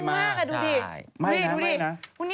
หน้าตึงมากดูดิ